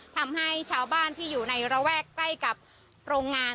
ทำให้ชาวบ้านที่อยู่ในระแวกใกล้กับโรงงาน